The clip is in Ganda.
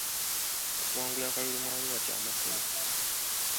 Okuwangula akalulu mu Arua ky'amakulu .